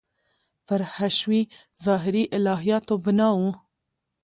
پر حشوي – ظاهري الهیاتو بنا و.